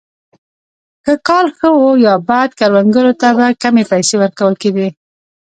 که کال ښه وو یا بد کروندګرو ته به کمې پیسې ورکول کېدې.